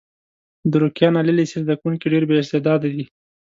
د روکيان عالي لیسې زده کوونکي ډېر با استعداده دي.